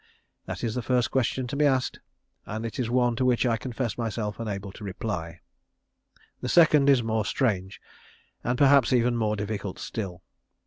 That is the first question to be asked, and it is one to which I confess myself unable to reply. The second is more strange, and perhaps even more difficult still.